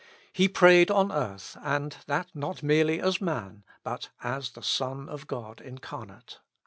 He prayed on earth, and that not merely as man, but as the Son of God incar nate.